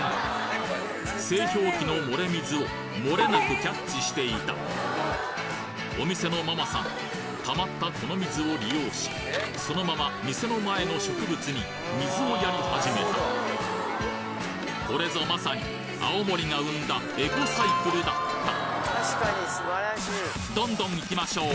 製氷機の漏れ水をもれなくキャッチしていたお店のママさん溜まったこの水を利用しそのまま店の前の植物に水をやり始めたこれぞまさに青森が生んだどんどんいきましょう！